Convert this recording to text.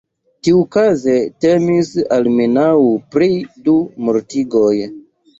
Tiukaze temis almenaŭ pri du mortigoj.